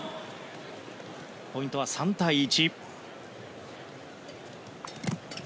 ポイントは３対１。